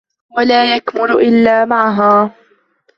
وَلَا يَكْمُلُ إلَّا مَعَهَا